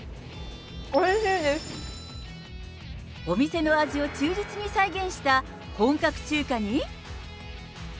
お店の味を忠実に再現した、本格中華に。